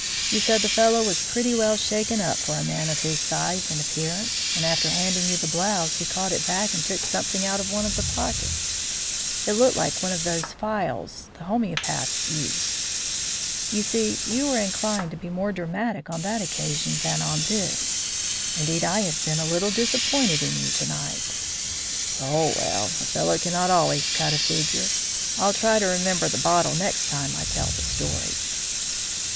You said the fellow was pretty well shaken up for a man of his size and appearance, and after handing you the blouse he caught it back and took something out of one of the pockets. It looked like one of those phials the homoeopaths use. You see, you were inclined to be more dramatic on that occasion than on this. Indeed, I have been a little disappointed in you to night." "Oh, well! a fellow cannot always cut a figure. I'll try to remember the bottle next time I tell the story."